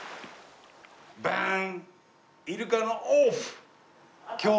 バン！